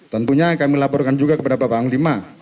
tentunya kami laporkan juga kepada bapak panglima